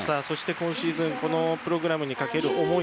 今シーズンこのプログラムに懸ける思い